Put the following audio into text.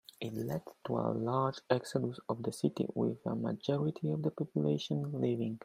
It led to a large exodus of the city, with a majority of the population leaving.